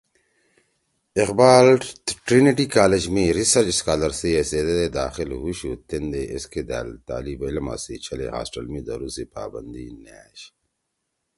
اقبال ٹرینٹی کالج می (Research scholar)ریسرچ سکالر سی حیثییت ئے دے داخل ہُوشُو تیدے ایسکے دأل طالب علما سی چھلے ہاسٹل می دھرُو سی پابندی نے أشی